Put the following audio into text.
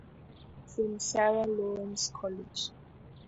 From Sarah Lawrence College.